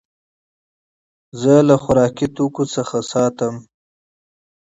زه له خوراکي توکو څخه ساتم.